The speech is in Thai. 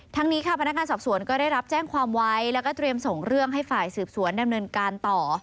นี้ค่ะพนักงานสอบสวนก็ได้รับแจ้งความไว้แล้วก็เตรียมส่งเรื่องให้ฝ่ายสืบสวนดำเนินการต่อ